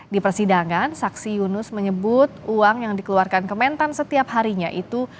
di persidangan saksi yunus menyebut uang yang dikeluarkan kementan setiap harinya itu